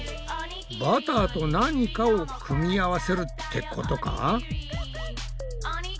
バターと何かを組み合わせるってことか？